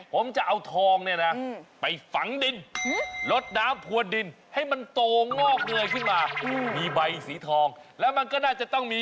ผมจะเอาทองเนี่ยนะไปฝังดินลดน้ำพวนดินให้มันโตงอกเงยขึ้นมามีใบสีทองแล้วมันก็น่าจะต้องมี